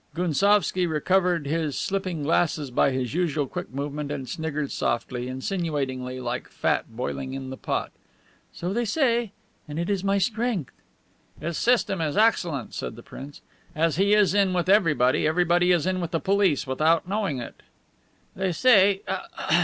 Gounsovski recovered his slipping glasses by his usual quick movement and sniggered softly, insinuatingly, like fat boiling in the pot: "So they say. And it is my strength." "His system is excellent," said the prince. "As he is in with everybody, everybody is in with the police, without knowing it." "They say...